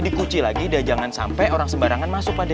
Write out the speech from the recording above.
dikuci lagi dan jangan sampai orang sembarangan masuk pada